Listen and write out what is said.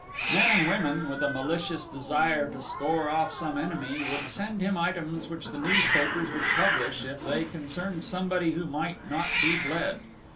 Men and women, with a malicious desire to score off some enemy, would send him items which the newspapers would publish if they concerned somebody who might not be bled.